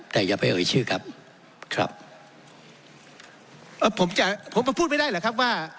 แต่อย่าไปเอ่ยชื่อครับครับเอ่อผมจะผมมาพูดไม่ได้แหละครับว่า